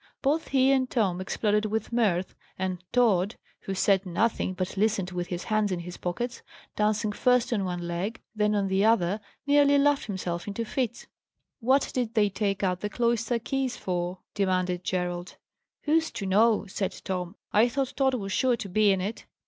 Both he and Tom exploded with mirth; and Tod, who said nothing, but listened with his hands in his pockets, dancing first on one leg, then on the other, nearly laughed himself into fits. "What did they take out the cloister keys for?" demanded Gerald. "Who's to know?" said Tom. "I thought Tod was sure to be in it."